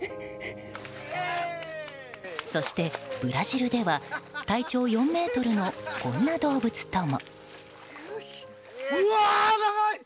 そしてブラジルでは体長４ｍのこんな動物とも。うわー、長い！